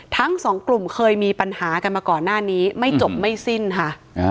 ทั้งสองกลุ่มเคยมีปัญหากันมาก่อนหน้านี้ไม่จบไม่สิ้นค่ะ